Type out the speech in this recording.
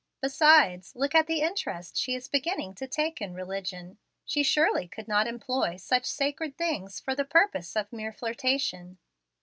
Besides, look at the interest she is beginning to take in religion. She surely could not employ such sacred things for the purposes of mere flirtation."